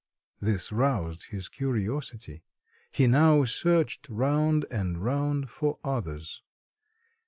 This roused his curiosity. He now searched round and round for others.